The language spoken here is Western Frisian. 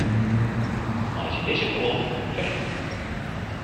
Meitsje dizze kolom fet.